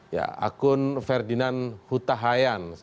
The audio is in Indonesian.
ya akun ferdinand hutahayan